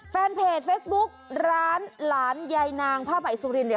แฟนเพจเฟซบุ๊กร้านหลานยายนางภาพไอสุรินเนี่ย